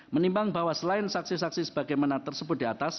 menimbang bahwa selain saksi saksi sebagaimana tersebut di atas